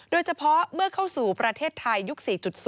โดยเฉพาะเมื่อเข้าสู่ประเทศไทยยุค๔๐